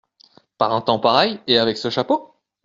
Par un temps pareil et avec ce chapeau ?…